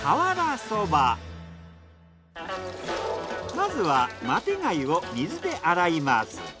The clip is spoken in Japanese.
まずはマテガイを水で洗います。